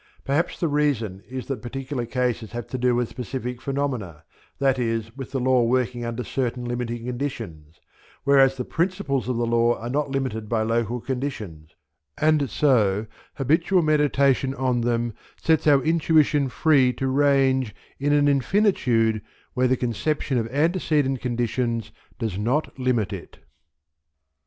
Perhaps the reason is that particular cases have to do with specific phenomena, that is with the law working under certain limiting conditions, whereas the principles of the law are not limited by local conditions, and so habitual meditation on them sets our intuition free to range in an infinitude where the conception of antecedent conditions does not limit it.